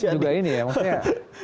nah ini juga ini ya maksudnya